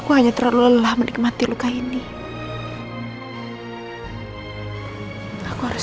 kenapa perasaanku gak enak